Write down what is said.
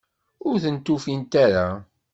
Ur tent-ufint ara?